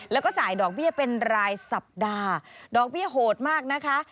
แล้วก็จ่ายดอกเบี้ยเป็นรายสัปดาห์ดอกเบี้ยโหดมากนะคะ